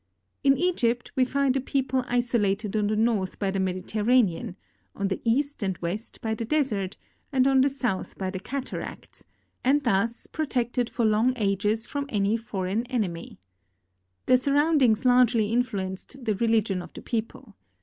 In Egypt we find a people iso lated on the north by the Mediterranean, on the east and west by the Desert, and on the south by the Cataracts, and thus pro tected for long ages from any foreign enemy. Their surround ings largely influenced the religion of the people.